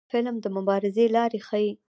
فلم د مبارزې لارې ښيي